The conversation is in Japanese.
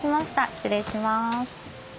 失礼します。